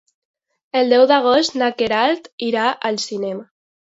El deu d'agost na Queralt irà al cinema.